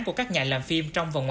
của các nhà làm phim